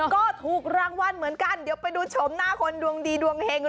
ก็ถูกรางวัลเหมือนกันเดี๋ยวไปดูชมหน้าคนดวงดีดวงเฮงกัน